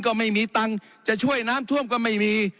ก็ไม่มีตังค์จะช่วยน้ำท่วมก็ไม่มี